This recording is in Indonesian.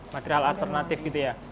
material alternatif gitu ya